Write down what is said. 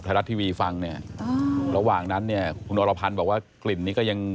รัฐทีวีฟังเนี่ยระหว่างนั้นเนี่ยคุณอรพันธ์บอกว่ากลิ่นนี้ก็ยัง